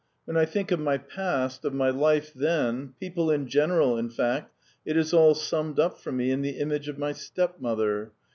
When I think of my past, of my life then ... people in general, in fact, it is all summed up for me in the image of my stepmother.